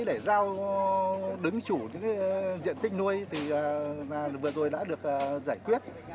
để giao đứng chủ những diện tích nuôi vừa rồi đã được giải quyết